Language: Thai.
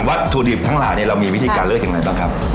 วัตถุดิบทั้งหลายเนี่ยเรามีวิธีการเลือกอย่างไรบ้างครับ